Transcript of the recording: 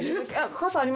傘あります？